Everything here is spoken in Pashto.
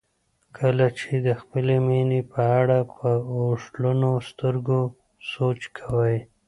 کله چې د خپلې مینې په اړه په اوښلنو سترګو سوچ کوئ.